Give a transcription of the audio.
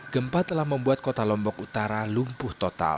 gempa telah membuat kota lombok utara lumpuh total